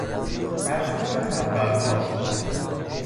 مجموعه تمبرها